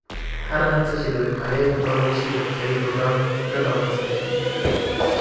هره هڅه چې د وقایې لپاره وشي، روغتیایي بحران نه رامنځته کېږي.